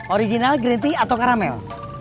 original gritty atau karamel